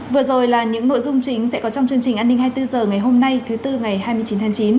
vừa rồi là những nội dung chính sẽ có trong chương trình an ninh hai mươi bốn h ngày hôm nay thứ tư ngày hai mươi chín tháng chín